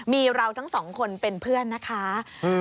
มีเราทั้งสองคนเป็นเพื่อนนะคะ